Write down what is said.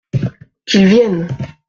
Qu’ils viennent !